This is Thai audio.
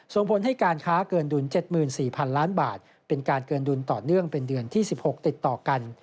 ส่งผลให้การค้าเกินดุล๗๔๐๐๐ล้านบาทเป็นการเกินดุลต่อเนื่องเป็นเดือนที่๑๖ติดต่อกัน